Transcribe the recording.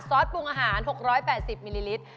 ซอสปรุงอาหาร๖๘๐มิลลิลิตร